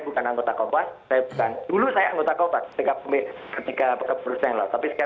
bukan anggota kompas saya bukan dulu saya anggota kompas ketika ketika berusaha loh tapi sekarang